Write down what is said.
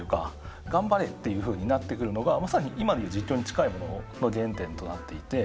頑張れっていうふうになってくるのがまさに今で言う実況に近いものの原点となっていて。